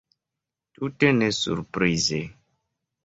Tute ne surprize.